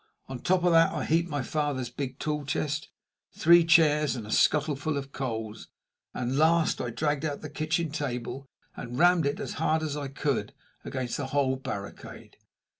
On the top of that I heaped my father's big tool chest, three chairs, and a scuttleful of coals; and last, I dragged out the kitchen table and rammed it as hard as I could against the whole barricade.